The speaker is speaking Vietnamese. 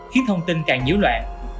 khiến thông tin càng nhiễu loạn